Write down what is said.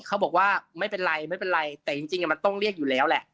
เขาบอกว่าไม่เป็นไรไม่เป็นไรแต่จริงมันต้องเรียกอยู่แล้วแหละ